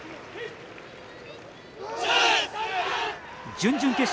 準々決勝。